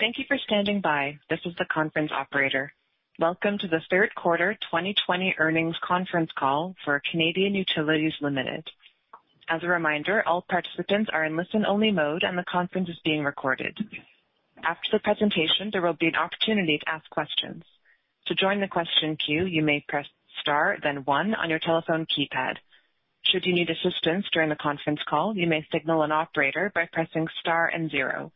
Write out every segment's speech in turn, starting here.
Thank you for standing by. This is the conference operator. Welcome to the third quarter 2020 earnings conference call for Canadian Utilities Limited. As a reminder, all participants are in listen-only mode, and the conference is being recorded. After the presentation, there will be an opportunity to ask questions. To join the question queue, you may press star then one on your telephone keypad. Should you need assistance during the conference call, you may signal an operator by pressing star and zero.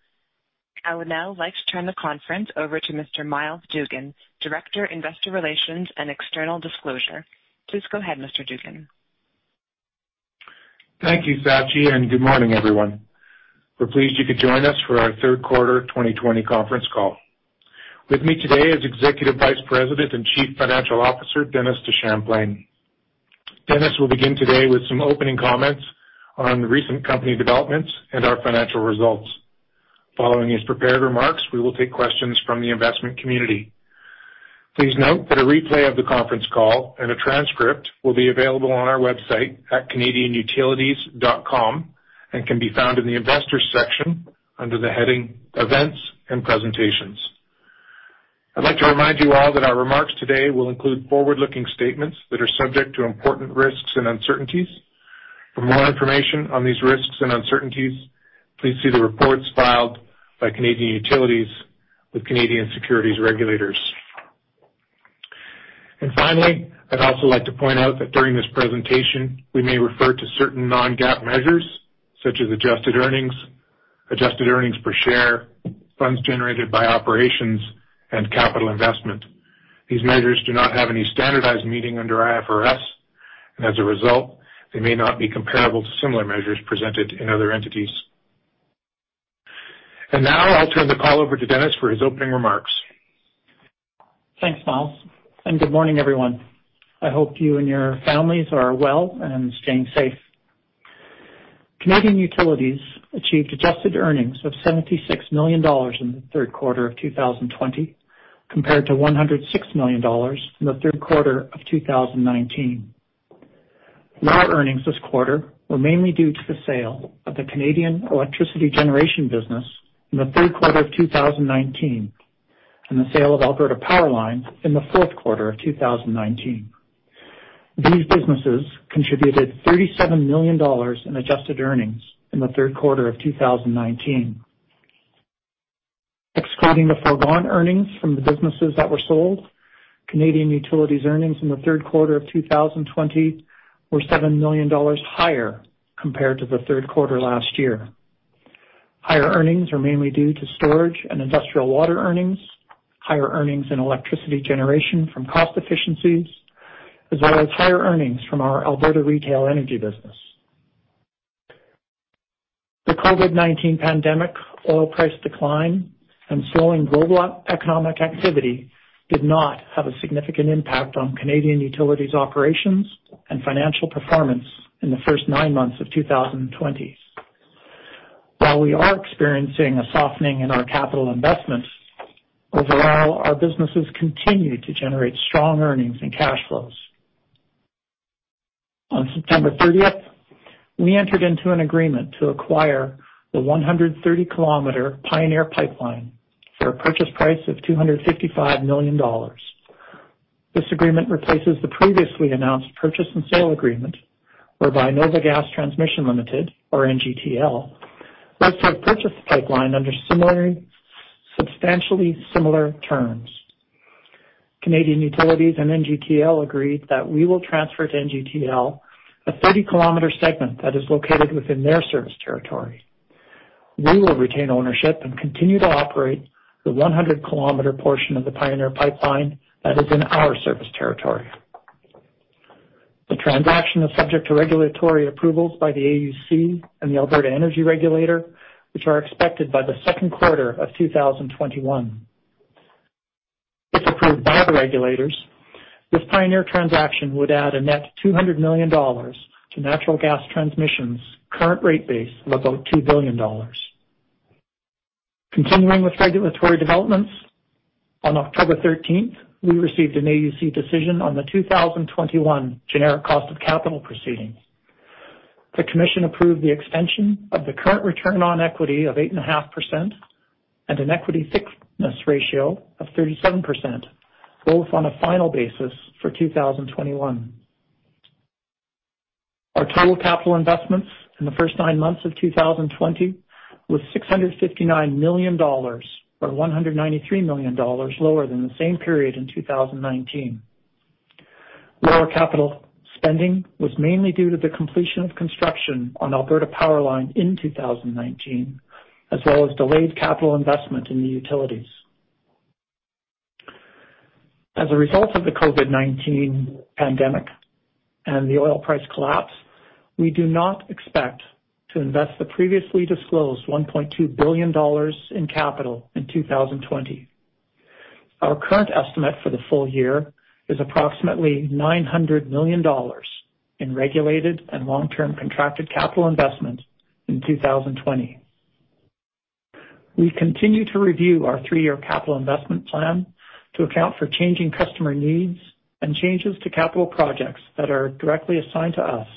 I would now like to turn the conference over to Mr. Myles Dougan, Director, Investor Relations and External Disclosure. Please go ahead, Mr. Dougan. Thank you, Sachi, and good morning, everyone. We're pleased you could join us for our third quarter 2020 conference call. With me today is Executive Vice President and Chief Financial Officer, Dennis DeChamplain. Dennis will begin today with some opening comments on recent company developments and our financial results. Following his prepared remarks, we will take questions from the investment community. Please note that a replay of the conference call and a transcript will be available on our website at canadianutilities.com and can be found in the investors section under the heading Events and Presentations. I'd like to remind you all that our remarks today will include forward-looking statements that are subject to important risks and uncertainties. For more information on these risks and uncertainties, please see the reports filed by Canadian Utilities with Canadian securities regulators. Finally, I'd also like to point out that during this presentation, we may refer to certain non-GAAP measures such as adjusted earnings, adjusted earnings per share, funds generated by operations, and capital investment. These measures do not have any standardized meaning under IFRS, and as a result, they may not be comparable to similar measures presented in other entities. Now I'll turn the call over to Dennis for his opening remarks. Thanks, Miles. Good morning, everyone. I hope you and your families are well and staying safe. Canadian Utilities achieved adjusted earnings of 76 million dollars in the third quarter of 2020, compared to 106 million dollars in the third quarter of 2019. Lower earnings this quarter were mainly due to the sale of the Canadian Electricity Generation business in the third quarter of 2019 and the sale of Alberta PowerLine in the fourth quarter of 2019. These businesses contributed 37 million dollars in adjusted earnings in the third quarter of 2019. Excluding the foregone earnings from the businesses that were sold, Canadian Utilities earnings in the third quarter of 2020 were 7 million dollars higher compared to the third quarter last year. Higher earnings are mainly due to Storage and industrial water earnings, higher earnings in Electricity Generation from cost efficiencies, as well as higher earnings from our Alberta retail energy business. The COVID-19 pandemic, oil price decline, and slowing global economic activity did not have a significant impact on Canadian Utilities operations and financial performance in the first nine months of 2020. While we are experiencing a softening in our capital investments, overall, our businesses continue to generate strong earnings and cash flows. On September 30th, we entered into an agreement to acquire the 130 km Pioneer Pipeline for a purchase price of 255 million dollars. This agreement replaces the previously announced purchase and sale agreement whereby NOVA Gas Transmission Limited, or NGTL, lets us purchase the pipeline under substantially similar terms. Canadian Utilities and NGTL agreed that we will transfer to NGTL a 30 km segment that is located within their service territory. We will retain ownership and continue to operate the 100 km portion of the Pioneer Pipeline that is in our service territory. The transaction is subject to regulatory approvals by the AUC and the Alberta Energy Regulator, which are expected by the second quarter of 2021. If approved by the regulators, this Pioneer transaction would add a net 200 million dollars to natural gas transmission's current rate base of about 2 billion dollars. Continuing with regulatory developments, on October 13th, we received an AUC decision on the 2021 generic cost of capital proceedings. The commission approved the extension of the current return on equity of 8.5% and an equity thickness ratio of 37%, both on a final basis for 2021. Our total capital investments in the first nine months of 2020 was CAD 659 million, or CAD 193 million lower than the same period in 2019. Lower capital spending was mainly due to the completion of construction on Alberta PowerLine in 2019, as well as delayed capital investment in the utilities. As a result of the COVID-19 pandemic and the oil price collapse, we do not expect to invest the previously disclosed 1.2 billion dollars in capital in 2020. Our current estimate for the full year is approximately 900 million dollars in regulated and long-term contracted capital investment in 2020. We continue to review our three-year capital investment plan to account for changing customer needs and changes to capital projects that are directly assigned to us.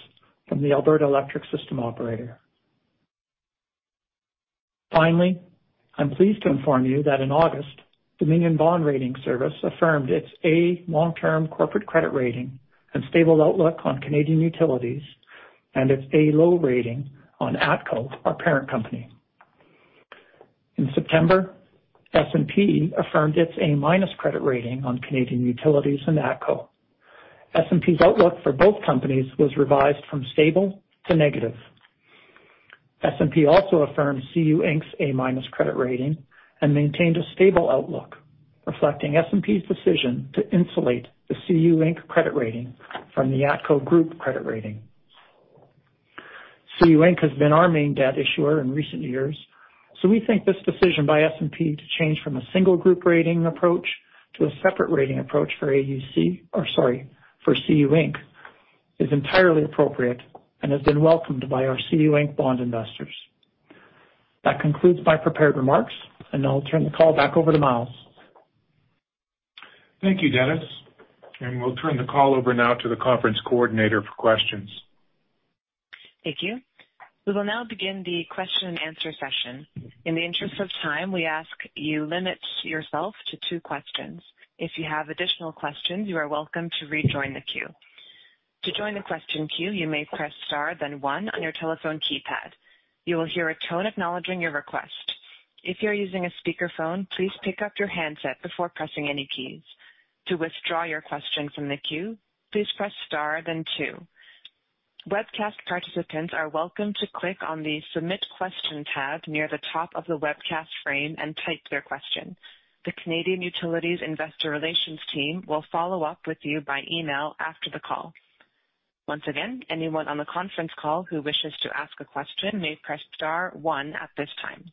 From the Alberta Electric System Operator. Finally, I'm pleased to inform you that in August, Dominion Bond Rating Service affirmed its A long-term corporate credit rating and stable outlook on Canadian Utilities and its A-low rating on ATCO, our parent company. In September, S&P affirmed its A- credit rating on Canadian Utilities and ATCO. S&P's outlook for both companies was revised from stable to negative. S&P also affirmed CU Inc.'s A- credit rating and maintained a stable outlook, reflecting S&P's decision to insulate the CU Inc. credit rating from the ATCO Group credit rating. CU Inc. has been our main debt issuer in recent years. We think this decision by S&P to change from a single group rating approach to a separate rating approach for CU Inc. is entirely appropriate and has been welcomed by our CU Inc. bond investors. That concludes my prepared remarks, and I'll turn the call back over to Miles. Thank you, Dennis. We'll turn the call over now to the conference coordinator for questions. Thank you. We will now begin the question and answer session. In the interest of time, we ask you limit yourself to two questions. If you have additional questions, you are welcome to rejoin the queue. To join the question queue, you may press star then one on your telephone keypad. You will hear a tone acknowledging your request. If you're using a speakerphone, please pick up your handset before pressing any keys. To withdraw your question from the queue, please press star, then two. Webcast participants are welcome to click on the Submit Question tab near the top of the webcast frame and type their question. The Canadian Utilities investor relations team will follow up with you by email after the call. Once again, anyone on the conference call who wishes to ask a question may press star one at this time.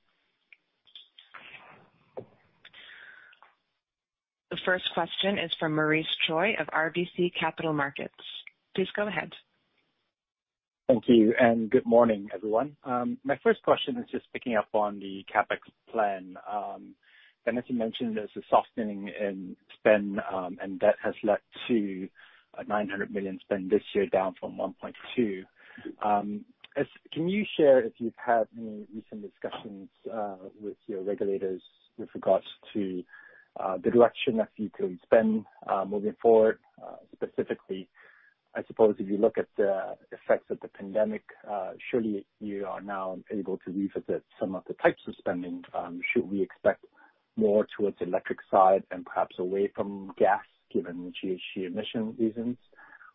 The first question is from Maurice Choy of RBC Capital Markets. Please go ahead. Thank you. Good morning, everyone. My first question is just picking up on the CapEx plan. Dennis, you mentioned there's a softening in spend, and that has led to a 900 million spend this year, down from 1.2. Can you share if you've had any recent discussions with your regulators with regards to the direction of utility spend, moving forward? Specifically, I suppose if you look at the effects of the pandemic, surely you are now able to revisit some of the types of spending. Should we expect more towards the electric side and perhaps away from gas, given GHG emission reasons?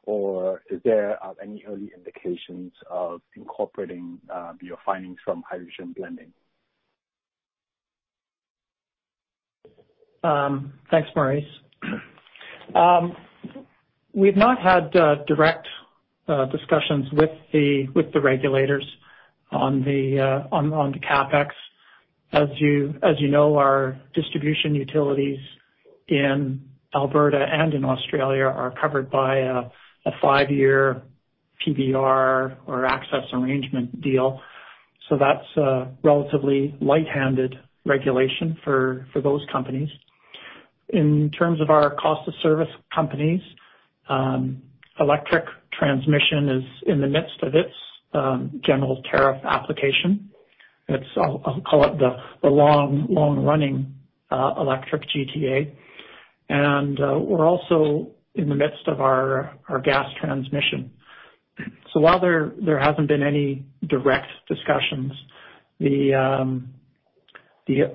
Are there any early indications of incorporating your findings from hydrogen blending? Thanks, Maurice. We've not had direct discussions with the regulators on the CapEx. As you know, our distribution utilities in Alberta and in Australia are covered by a five-year PBR or access arrangement deal. That's a relatively light-handed regulation for those companies. In terms of our cost of service companies, electric transmission is in the midst of its General Tariff Application. I'll call it the long running electric GTA. We're also in the midst of our gas transmission. While there hasn't been any direct discussions, the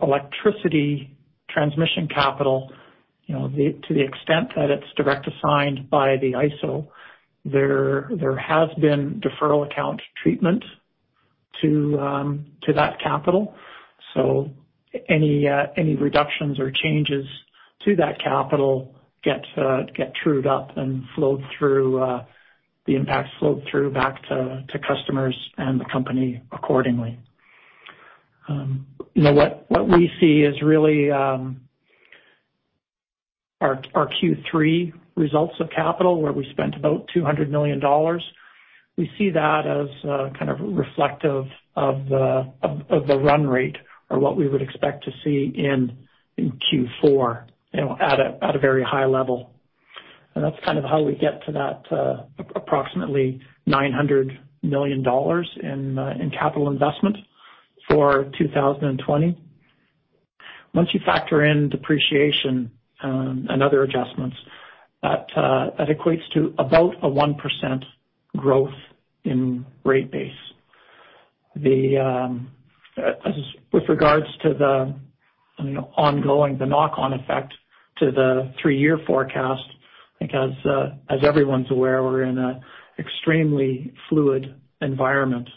electricity transmission capital, to the extent that it's direct assigned by the ISO, there has been deferral account treatment to that capital. Any reductions or changes to that capital get trued up and the impact flowed through back to customers and the company accordingly. What we see is really our Q3 results of capital, where we spent about 200 million dollars. We see that as kind of reflective of the run rate or what we would expect to see in Q4 at a very high level. That's kind of how we get to that approximately 900 million dollars in capital investment for 2020. Once you factor in depreciation and other adjustments, that equates to about a 1% growth in rate base. With regards to the ongoing knock-on effect to the three-year forecast, I think as everyone's aware, we're in an extremely fluid environment.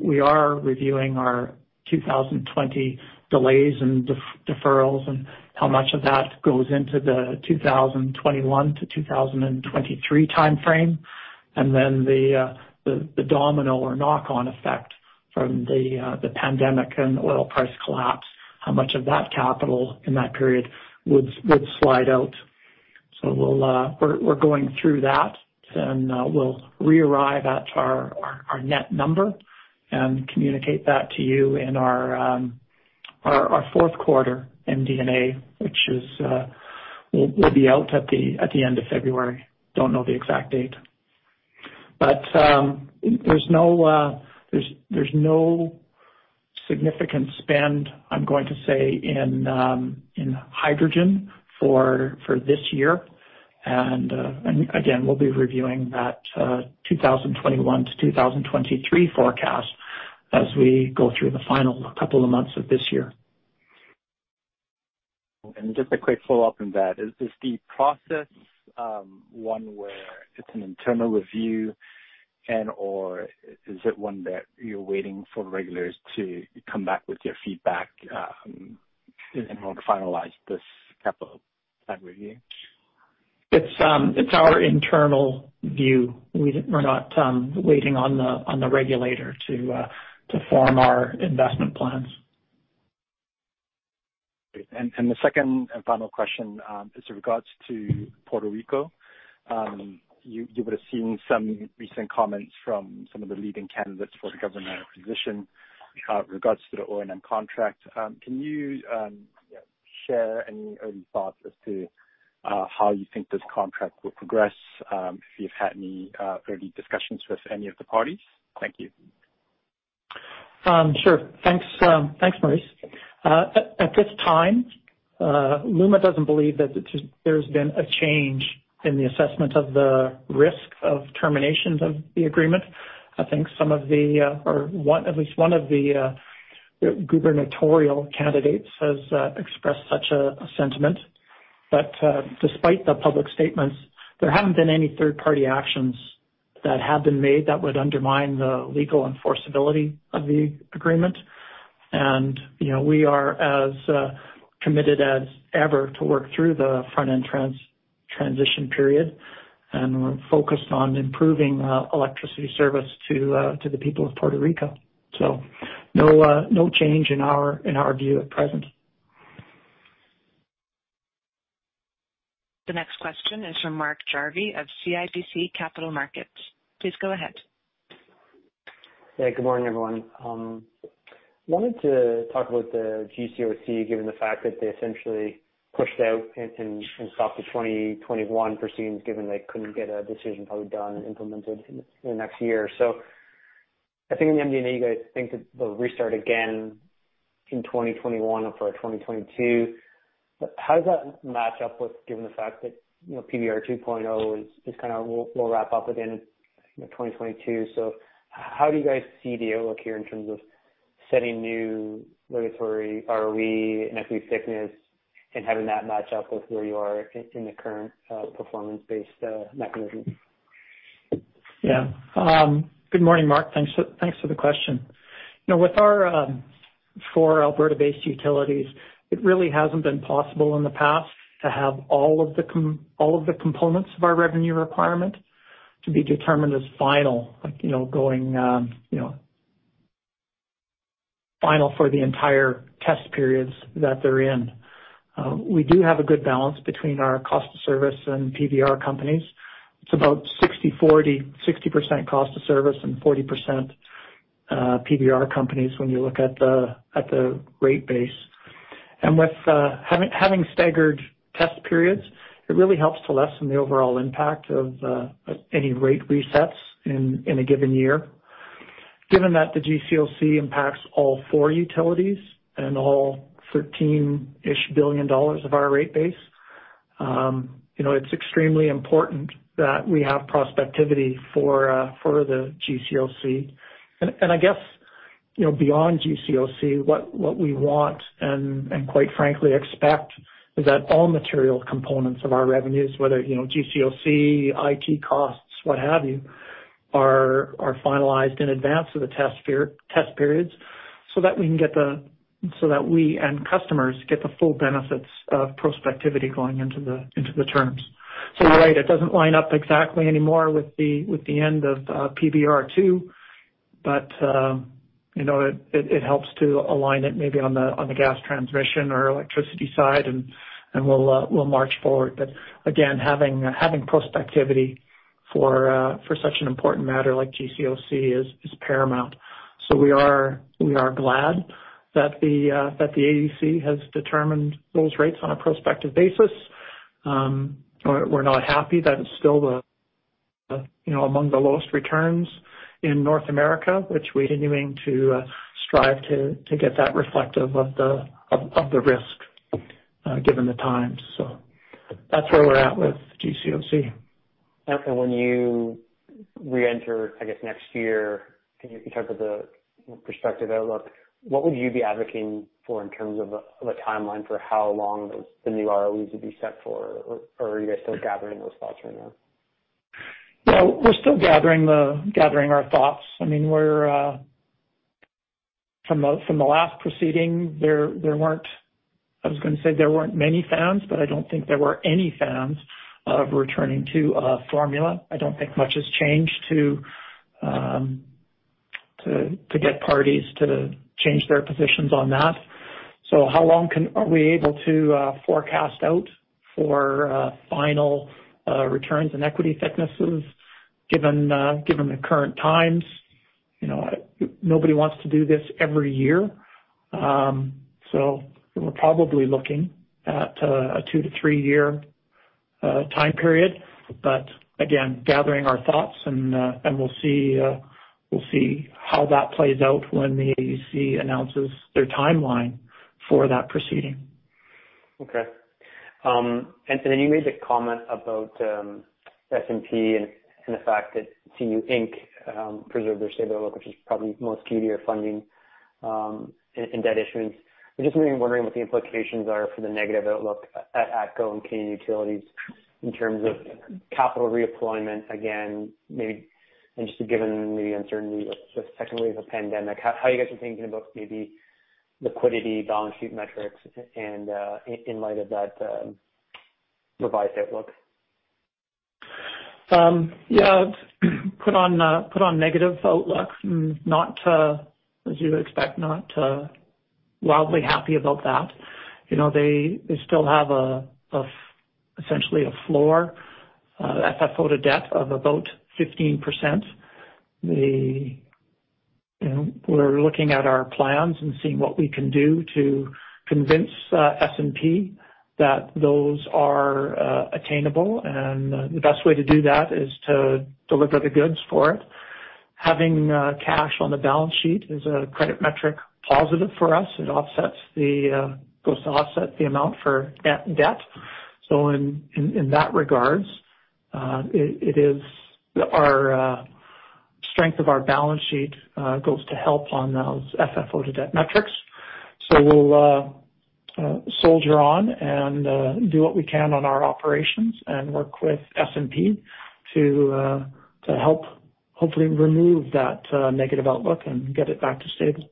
We are reviewing our 2020 delays and deferrals and how much of that goes into the 2021 to 2023 timeframe, and then the domino or knock-on effect from the pandemic and the oil price collapse, how much of that capital in that period would slide out. We're going through that, and we'll re-arrive at our net number and communicate that to you in our fourth quarter MD&A, which will be out at the end of February. Don't know the exact date. There's no significant spend, I'm going to say, in hydrogen for this year. Again, we'll be reviewing that 2021-2023 forecast as we go through the final couple of months of this year. Just a quick follow-up on that. Is the process one where it's an internal review and/or is it one that you're waiting for regulators to come back with their feedback in order to finalize this capital plan review? It's our internal view. We're not waiting on the regulator to form our investment plans. Great. The second and final question is with regards to Puerto Rico. You would've seen some recent comments from some of the leading candidates for the governmental position with regards to the O&M contract. Can you share any early thoughts as to how you think this contract will progress? If you've had any early discussions with any of the parties. Thank you. Sure. Thanks, Maurice. At this time, LUMA doesn't believe that there's been a change in the assessment of the risk of terminations of the agreement. I think at least one of the gubernatorial candidates has expressed such a sentiment. Despite the public statements, there haven't been any third-party actions that have been made that would undermine the legal enforceability of the agreement. We are as committed as ever to work through the front-end transition period. We're focused on improving electricity service to the people of Puerto Rico. No change in our view at present. The next question is from Mark Jarvi of CIBC Capital Markets. Please go ahead. Good morning, everyone. I wanted to talk about the GCOC, given the fact that they essentially pushed out and stopped the 2021 proceedings, given they couldn't get a decision probably done and implemented in the next year. I think in the MD&A, you guys think that they'll restart again in 2021 or for 2022. How does that match up with, given the fact that PBR 2.0 will wrap up within 2022? How do you guys see the outlook here in terms of setting new regulatory ROE and equity thickness and having that match up with where you are in the current performance-based mechanism? Good morning, Mark. Thanks for the question. With our four Alberta-based utilities, it really hasn't been possible in the past to have all of the components of our revenue requirement to be determined as final for the entire test periods that they're in. We do have a good balance between our cost of service and PBR companies. It's about 60/40, 60% cost of service and 40% PBR companies when you look at the rate base. With having staggered test periods, it really helps to lessen the overall impact of any rate resets in a given year. Given that the GCOC impacts all four utilities and all 13-ish billion dollars of our rate base, it's extremely important that we have prospectivity for the GCOC. I guess, beyond GCOC, what we want, and quite frankly expect, is that all material components of our revenues, whether GCOC, IT costs, what have you, are finalized in advance of the test periods, that we and customers get the full benefits of prospectivity going into the terms. You're right, it doesn't line up exactly anymore with the end of PBR2, but it helps to align it maybe on the gas transmission or electricity side and we'll march forward. Again, having prospectivity for such an important matter like GCOC is paramount. We are glad that the AUC has determined those rates on a prospective basis. We're not happy that it's still among the lowest returns in North America, which we're continuing to strive to get that reflective of the risk given the times. That's where we're at with GCOC. When you reenter, I guess next year, in terms of the prospective outlook, what would you be advocating for in terms of a timeline for how long the new ROEs would be set for? Or are you guys still gathering those thoughts right now? We're still gathering our thoughts. From the last proceeding, I was going to say there weren't many fans, but I don't think there were any fans of returning to a formula. I don't think much has changed to get parties to change their positions on that. How long are we able to forecast out for final returns and equity thicknesses? Given the current times, nobody wants to do this every year. We're probably looking at a two to three-year time period. Again, gathering our thoughts and we'll see how that plays out when the AUC announces their timeline for that proceeding. Okay. Then you made the comment about S&P and the fact that CU Inc. preserved their stable outlook, which is probably most key to your funding in debt issuance. I am just really wondering what the implications are for the negative outlook at ATCO and Canadian Utilities in terms of capital reemployment, again, and just given uncertainty with the second wave of pandemic, how are you guys are thinking about liquidity, balance sheet metrics, and in light of that revised outlook? Yeah. Put on negative outlook. As you'd expect, not wildly happy about that. They still have essentially a floor FFO to debt of about 15%. We're looking at our plans and seeing what we can do to convince S&P that those are attainable and the best way to do that is to deliver the goods for it. Having cash on the balance sheet is a credit metric positive for us. It goes to offset the amount for debt. In that regards, our strength of our balance sheet goes to help on those FFO to debt metrics. We'll soldier on and do what we can on our operations and work with S&P to help hopefully remove that negative outlook and get it back to stable.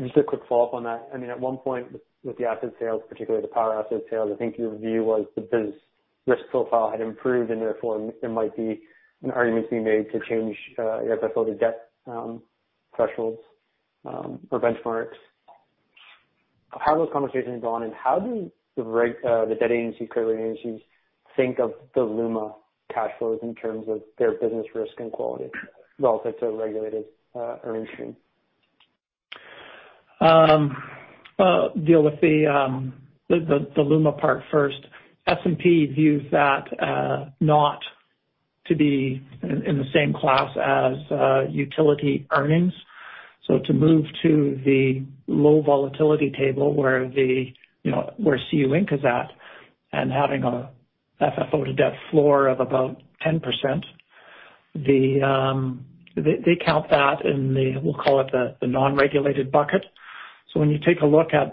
Just a quick follow-up on that. At one point with the asset sales, particularly the power asset sales, I think your view was the business risk profile had improved and therefore there might be an argument to be made to change FFO to debt thresholds or benchmarks. How have those conversations gone, and how do the debt agency, credit rating agencies think of the LUMA cash flows in terms of their business risk and quality relative to a regulated earnings stream? Deal with the LUMA part first. S&P views that not to be in the same class as utility earnings. To move to the low volatility table where CU Inc. is at and having a FFO to debt floor of about 10%, they count that in the non-regulated bucket. When you take a look at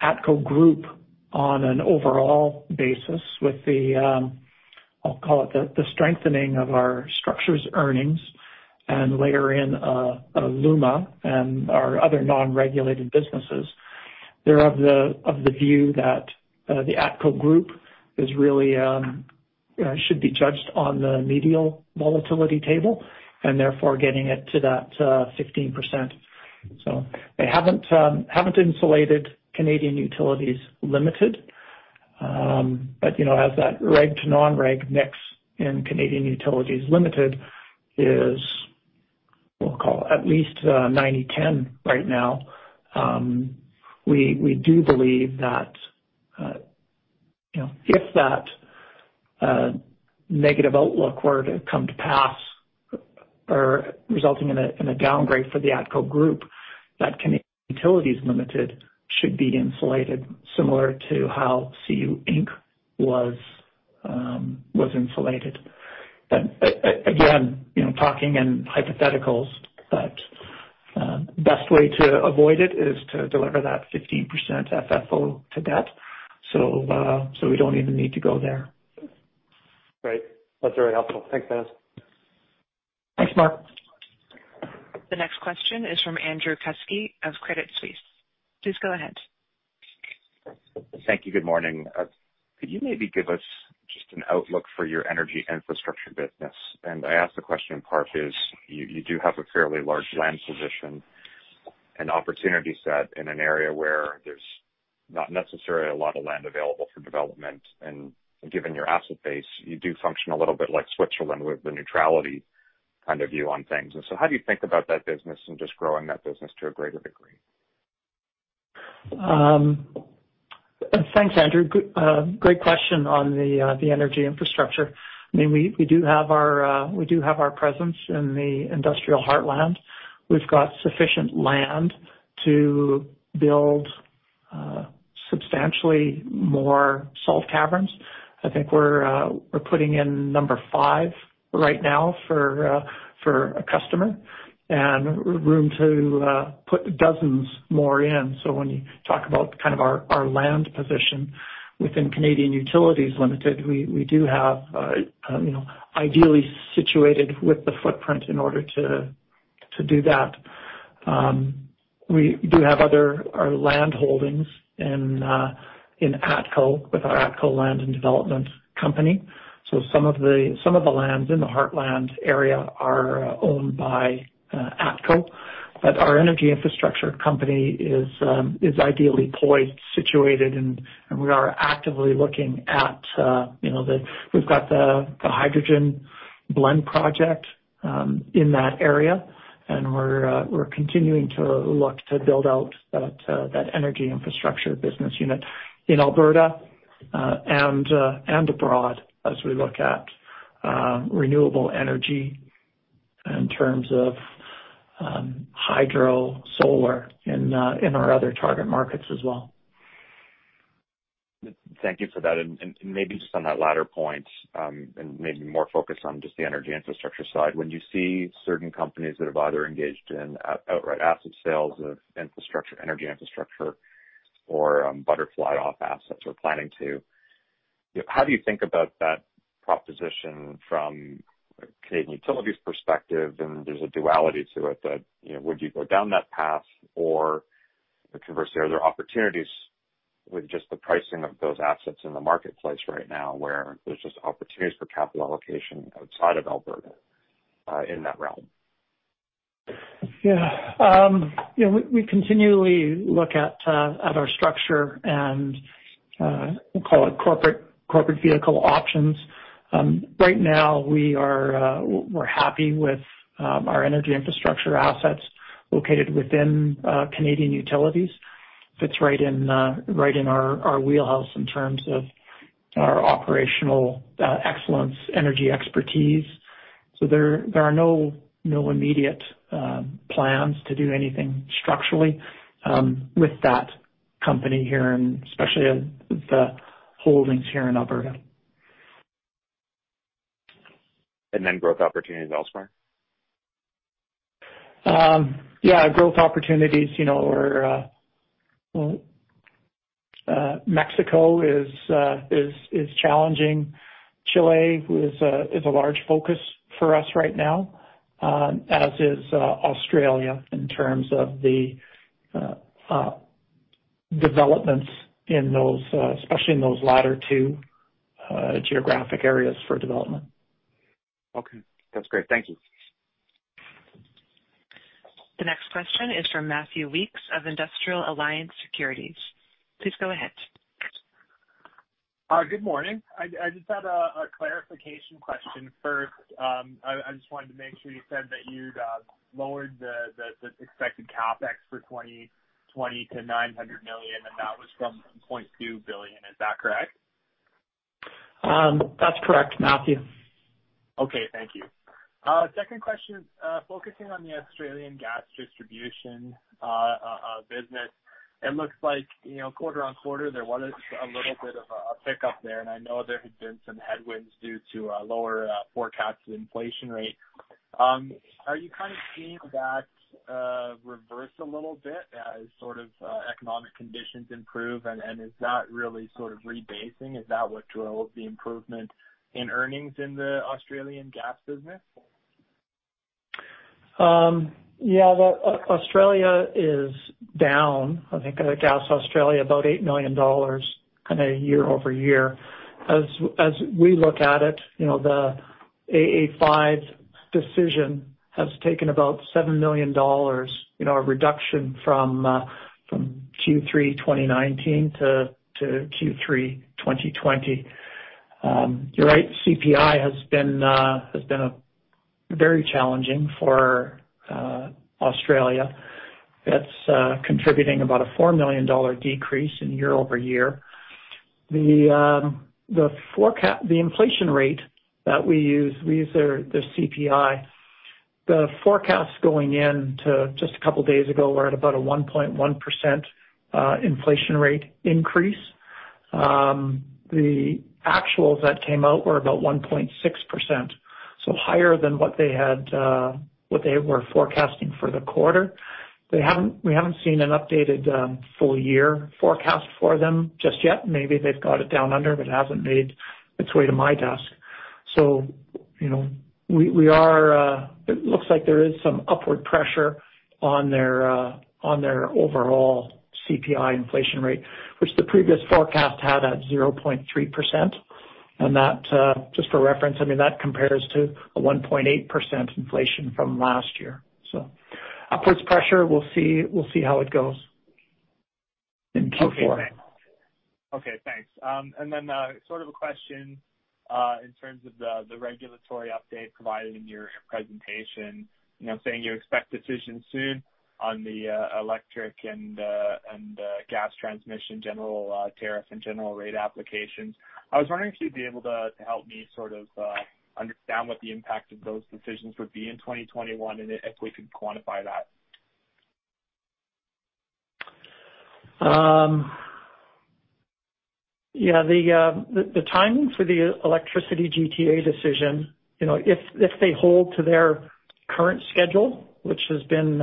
ATCO Group on an overall basis with the strengthening of our Structures earnings and later in LUMA and our other non-regulated businesses, they're of the view that the ATCO Group really should be judged on the medial volatility table and therefore getting it to that 15%. As that reg to non-reg mix in Canadian Utilities Limited is at least 90/10 right now. We do believe that if that negative outlook were to come to pass or resulting in a downgrade for the ATCO Group, that Canadian Utilities Limited should be insulated similar to how CU Inc. was insulated. Again, talking in hypotheticals, best way to avoid it is to deliver that 15% FFO to debt. We don't even need to go there. Great. That's very helpful. Thanks, Mark. Thanks, Mark. The next question is from Andrew Kuske of Credit Suisse. Please go ahead. Thank you. Good morning. Could you maybe give us just an outlook for your energy infrastructure business? I ask the question in part because you do have a fairly large land position and opportunity set in an area where there's not necessarily a lot of land available for development. Given your asset base, you do function a little bit like Switzerland with the neutrality kind of view on things. How do you think about that business and just growing that business to a greater degree? Thanks, Andrew. Great question on the energy infrastructure. We do have our presence in the industrial heartland. We've got sufficient land to build substantially more salt caverns. I think we're putting in number 5 right now for a customer and room to put dozens more in. When you talk about our land position within Canadian Utilities Limited, we do have ideally situated with the footprint in order to do that. We do have other land holdings in ATCO with our ATCO Land and Development company. Some of the lands in the heartland area are owned by ATCO. But our energy infrastructure company is ideally poised, situated, and We've got the hydrogen blend project in that area, and we're continuing to look to build out that energy infrastructure business unit in Alberta and abroad as we look at renewable energy in terms of hydro, solar in our other target markets as well. Thank you for that. Maybe just on that latter point and maybe more focused on just the energy infrastructure side, when you see certain companies that have either engaged in outright asset sales of energy infrastructure or butterfly off assets or planning to, how do you think about that proposition from Canadian Utilities' perspective? There's a duality to it that would you go down that path or the converse, are there opportunities with just the pricing of those assets in the marketplace right now where there's just opportunities for capital allocation outside of Alberta, in that realm? Yeah. We continually look at our structure and we'll call it corporate vehicle options. Right now, we're happy with our energy infrastructure assets located within Canadian Utilities. Fits right in our wheelhouse in terms of our operational excellence, energy expertise. There are no immediate plans to do anything structurally with that company here, and especially the holdings here in Alberta. Then growth opportunities elsewhere? Yeah. Growth opportunities. Mexico is challenging. Chile is a large focus for us right now as is Australia in terms of the developments, especially in those latter two geographic areas for development. Okay. That's great. Thank you. The next question is from Matthew Weekes of Industrial Alliance Securities. Please go ahead. Good morning. I just had a clarification question first. I just wanted to make sure you said that you'd lowered the expected CapEx for 2020 to 900 million, and that was from 1.2 billion. Is that correct? That's correct, Matthew. Okay. Thank you. Second question, focusing on the Australian gas distribution business. It looks like quarter-on-quarter, there was a little bit of a pickup there, and I know there had been some headwinds due to a lower forecasted inflation rate. Are you kind of seeing that reverse a little bit as sort of economic conditions improve? Is that really sort of rebasing? Is that what drove the improvement in earnings in the Australian gas business? Yeah. ATCO Gas Australia is down, I think, about 8 million dollars kind of year-over-year. As we look at it, the AA5 decision has taken about 7 million dollars a reduction from Q3 2019 to Q3 2020. You're right, CPI has been very challenging for Australia. That's contributing about a 4 million dollar decrease in year-over-year. The inflation rate that we use, we use the CPI. The forecast going in to just a couple of days ago, we're at about a 1.1% inflation rate increase. The actuals that came out were about 1.6%, higher than what they were forecasting for the quarter. We haven't seen an updated full-year forecast for them just yet. Maybe they've got it down under, but it hasn't made its way to my desk. It looks like there is some upward pressure on their overall CPI inflation rate, which the previous forecast had at 0.3%. Just for reference, that compares to a 1.8% inflation from last year. Upwards pressure. We will see how it goes in Q4. Okay, thanks. Sort of a question in terms of the regulatory update provided in your presentation, saying you expect decisions soon on the electric and gas transmission General Tariff and General Rate Applications. I was wondering if you'd be able to help me sort of understand what the impact of those decisions would be in 2021 and if we could quantify that. Yeah. The timing for the electricity GTA decision, if they hold to their current schedule, which has been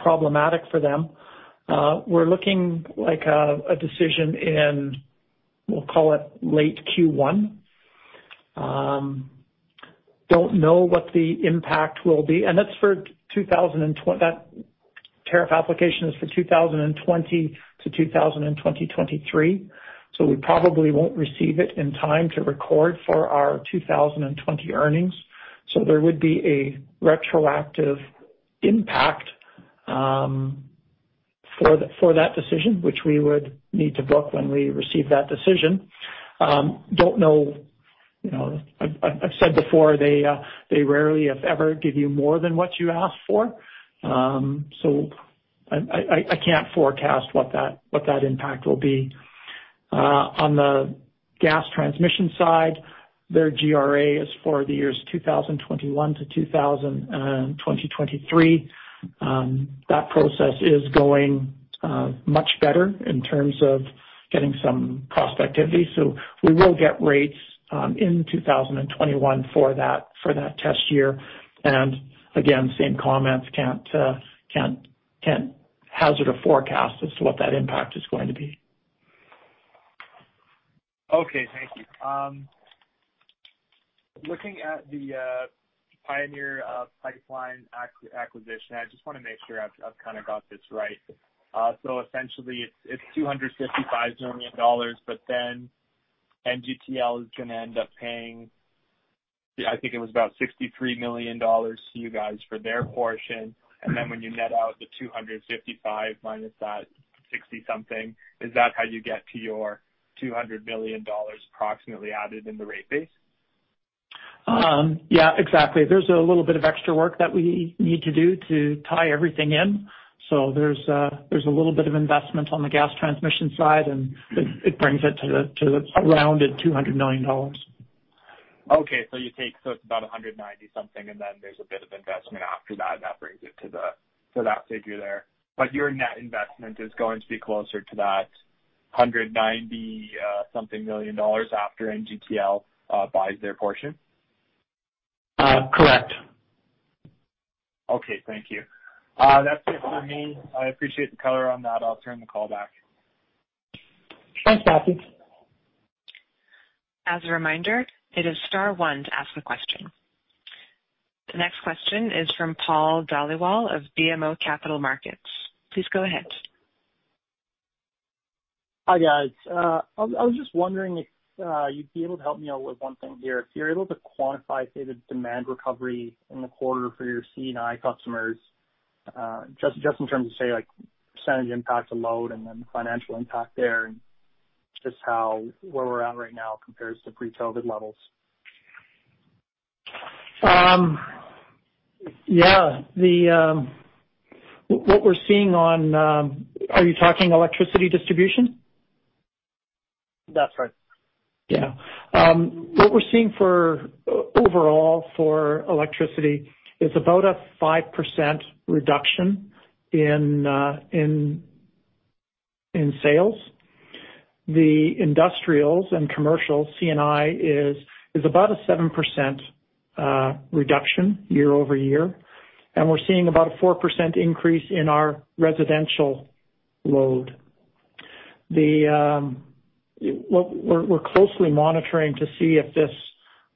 problematic for them, we're looking like a decision in, we'll call it late Q1. Don't know what the impact will be. That's for 2021 Tariff application is for 2020 to 2023. We probably won't receive it in time to record for our 2020 earnings. There would be a retroactive impact for that decision, which we would need to book when we receive that decision. I've said before, they rarely, if ever, give you more than what you ask for. I can't forecast what that impact will be. On the gas transmission side, their GRA is for the years 2021 to 2023. That process is going much better in terms of getting some prospectivity. We will get rates in 2021 for that test year. Again, same comments, can't hazard a forecast as to what that impact is going to be. Okay. Thank you. Looking at the Pioneer Pipeline acquisition, I just want to make sure I've kind of got this right. Essentially it's 255 million dollars, but then NGTL is going to end up paying, I think it was about 63 million dollars to you guys for their portion. When you net out the 255 minus that 60 something, is that how you get to your 200 million dollars approximately added in the rate base? Yeah, exactly. There's a little bit of extra work that we need to do to tie everything in. There's a little bit of investment on the gas transmission side, and it brings it to the rounded 200 million dollars. Okay. It's about 190 something, then there's a bit of investment after that brings it to that figure there. Your net investment is going to be closer to that 190 something million after NGTL buys their portion? Correct. Okay. Thank you. That's it for me. I appreciate the color on that. I'll turn the call back. Thanks, Matthew. The next question is from Paul Dhaliwal of BMO Capital Markets. Please go ahead. Hi, guys. I was just wondering if you'd be able to help me out with one thing here. If you're able to quantify, say, the demand recovery in the quarter for your C&I customers, just in terms of, say, like % impact to load and then the financial impact there, and just where we're at right now compares to pre-COVID levels. Yeah. Are you talking electricity distribution? That's right. Yeah. What we're seeing overall for electricity is about a 5% reduction in sales. The industrials and commercial C&I is about a 7% reduction year-over-year. We're seeing about a 4% increase in our residential load. We're closely monitoring to see if this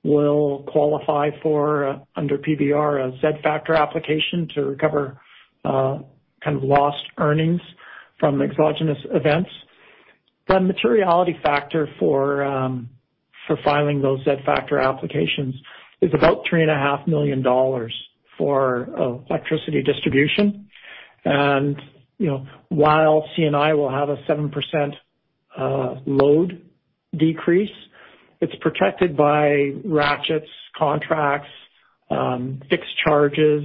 will qualify for, under PBR, a Z-factor application to recover kind of lost earnings from exogenous events. The materiality factor for filing those Z-factor applications is about 3.5 million dollars for electricity distribution. While C&I will have a 7% load decrease, it's protected by ratchets, contracts, fixed charges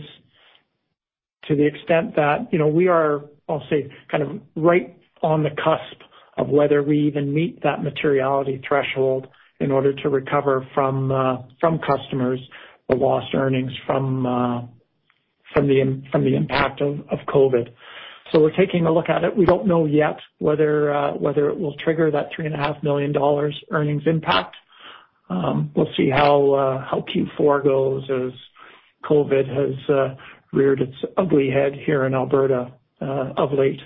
to the extent that we are, I'll say, kind of right on the cusp of whether we even meet that materiality threshold in order to recover from customers the lost earnings from the impact of COVID. We're taking a look at it. We don't know yet whether it will trigger that 3.5 million dollars earnings impact. We'll see how Q4 goes as COVID has reared its ugly head here in Alberta of late.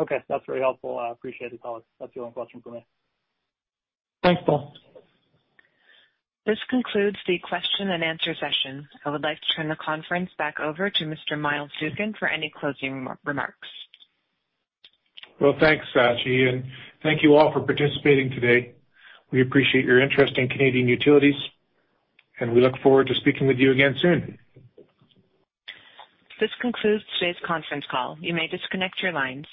Okay. That's very helpful. I appreciate the color. That's the only question for me. Thanks, Paul. This concludes the question and answer session. I would like to turn the conference back over to Mr. Myles Dougan for any closing remarks. Well, thanks, Sachi, and thank you all for participating today. We appreciate your interest in Canadian Utilities, and we look forward to speaking with you again soon. This concludes today's conference call. You may disconnect your lines.